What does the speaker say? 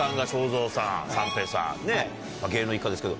芸能一家ですけど。